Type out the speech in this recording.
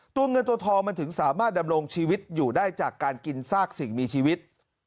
ตัวเงินตัวทองมันถึงสามารถดำรงชีวิตอยู่ได้จากการกินซากสิ่งมีชีวิต